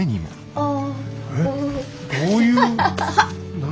ああ。